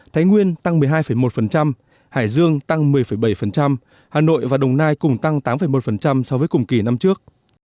thái nguyên tăng một mươi hai một hải dương tăng một mươi bảy hà nội và đồng nai cùng tăng tám một so với cùng kỳ năm trước